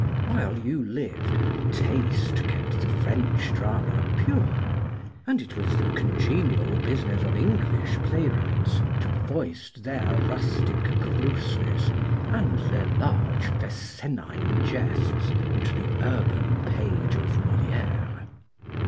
While you lived, taste kept the French drama pure; and it was the congenial business of English playwrights to foist their rustic grossness and their large Fescennine jests into the urban page of Moliére.